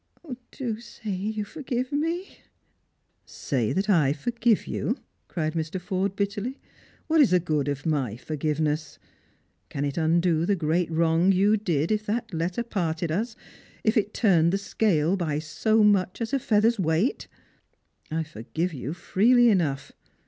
Do say that you forgive me !"" Say that I forgive you !" cried Mr. Forde bitterly. " What is the good of my forgiveness ? Can it undo the great wrong you did if that letter parted us, if it turned the scale by so much as a feather's weight? I forgive you freely enough.